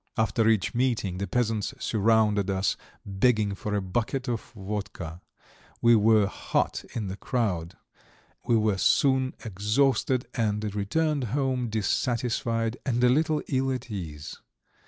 After each meeting the peasants surrounded us, begging for a bucket of vodka; we were hot in the crowd; we were soon exhausted, and returned home dissatisfied and a little ill at ease.